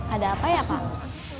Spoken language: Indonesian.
ada apa ya pak